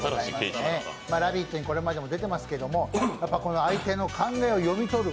「ラヴィット！」にこれまでも出ていますけれども、相手の考えを読み取る